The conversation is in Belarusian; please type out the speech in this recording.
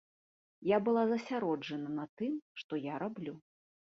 Я была засяроджаная на тым, што я раблю.